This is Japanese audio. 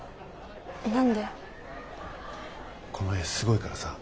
この絵すごいからさ